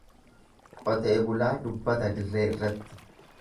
Qotee bulaa dubbata dirree irratti.